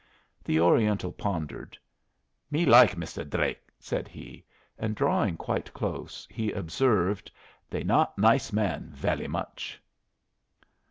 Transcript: The Oriental pondered. "Me like Misser Dlake," said he. And drawing quite close, he observed, "They not nice man velly much."